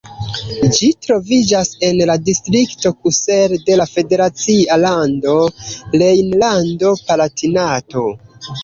Ĝi troviĝas en la distrikto Kusel de la federacia lando Rejnlando-Palatinato.